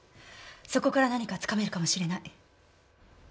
そこから何かつかめるかもしれない。